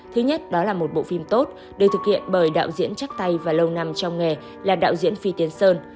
thứ nhất đó là một bộ phim tốt được thực hiện bởi đạo diễn chắc tay và lâu nằm trong nghề là đạo diễn phi tiến sơn